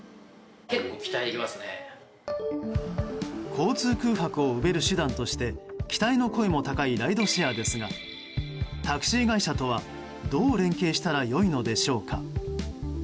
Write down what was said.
交通空白を埋める手段として期待の声も高いライドシェアですがタクシー会社とはどう連携したら良いのでしょうか。